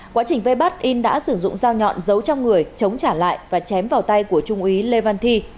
quá trình vây bắt in đã sử dụng dao nhọn giấu trong người chống trả lại và chém vào tay của trung úy lê văn thi